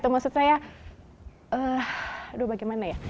maksud saya aduh bagaimana ya